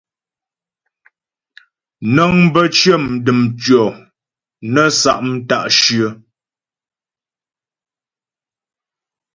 Nəŋ bə́ cyə dəm tʉɔ̂ nə́ sa' mta'shyə̂.